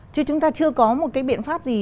chứ chúng ta chưa có một cái biện pháp gì